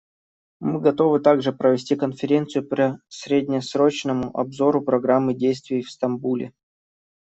Мы готовы также провести конференцию по среднесрочному обзору Программы действий в Стамбуле.